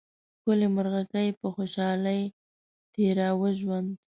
ښکلې مرغکۍ په خوشحالۍ تېراوه ژوند